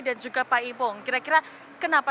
dan juga pak imo kira kira kenapa